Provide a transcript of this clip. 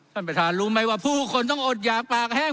ท่านประธานรู้ไหมว่าผู้คนต้องอดหยากปากแห้ง